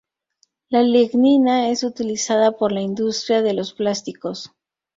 La lignina es utilizada por la industria de los plásticos.